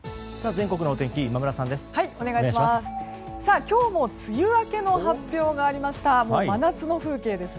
全国の天気今村さんです。